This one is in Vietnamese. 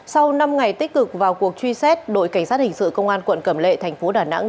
sau năm ngày tích cực vào cuộc truy xét đội cảnh sát hình sự công an quận cẩm lệ thành phố đà nẵng